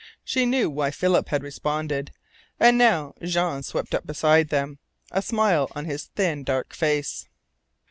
She KNEW why Philip had responded. And now Jean swept up beside them, a smile on his thin, dark face.